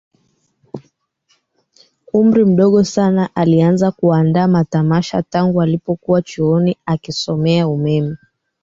umri mdogo sana Alianza kuandaa matamasha tangu alipokuwa chuoni akisomea umeme